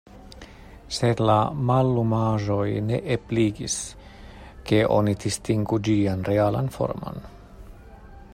Sed la mallumaĵoj ne ebligis, ke oni distingu ĝian realan formon.